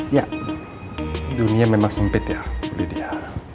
ya dunia memang sempit ya bu lydia